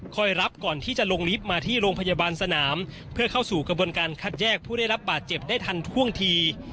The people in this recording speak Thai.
รับก่อนที่จะลงลิฟต์มาที่โรงพยาบาลสนามเพื่อเข้าสู่กระบวนการคัดแยกผู้ได้รับบาดเจ็บได้ทันท่วงที